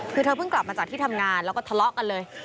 คือเธอเพิ่งกลับมาจากที่ทำงานแล้วก็ทะเลาะกันเลย